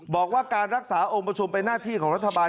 บอกว่าการรักษาองค์ประชุมเป็นหน้าที่ของรัฐบาล